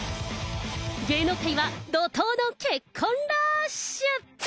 芸能界は怒とうの結婚ラッシュ。